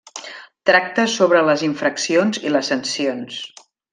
Tracta sobre les infraccions i les sancions.